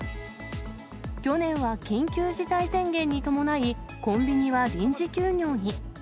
去年は緊急事態宣言に伴い、コンビニは臨時休業に。